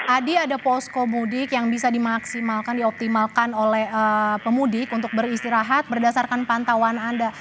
adi ada posko mudik yang bisa dimaksimalkan dioptimalkan oleh pemudik untuk beristirahat berdasarkan pantauan anda